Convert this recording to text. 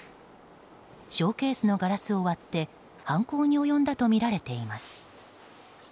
ショーケースのガラスを割って犯行に及んだとみられています。